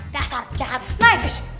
shhh dasar jahat nagesh